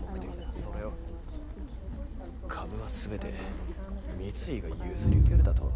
それを株は全て三井が譲り受けるだと？